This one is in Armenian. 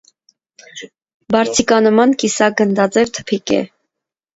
Բարձիկանման կիսագնդաձև թփիկ է։